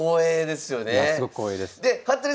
すごく光栄です。